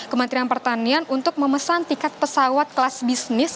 kementerian pertanian untuk memesan tiket pesawat kelas bisnis